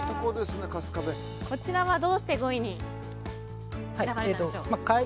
こちらはどうして５位に選ばれたのでしょう？